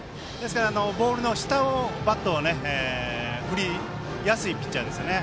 ボールの下をバット、振りやすいピッチャーですね。